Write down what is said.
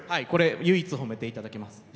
唯一褒めていただけます。